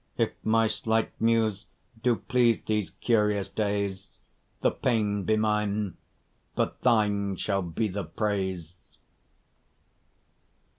If my slight muse do please these curious days, The pain be mine, but thine shall be the praise.